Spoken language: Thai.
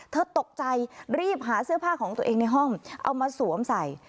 เธอตกใจรีบหาเสื้อผ้าของตัวเองในห้องเอามาสวมใส่